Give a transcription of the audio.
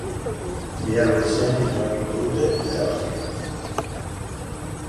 Bihar goizean iragarriko dute erabakia.